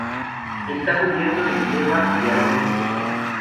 Está cubierto de hierba y árboles de grosor.